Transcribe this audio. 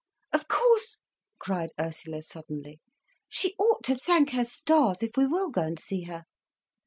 "Of course," cried Ursula suddenly, "she ought to thank her stars if we will go and see her.